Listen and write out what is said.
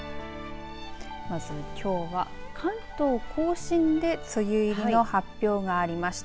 まず、きょうは関東甲信で梅雨入りの発表がありました。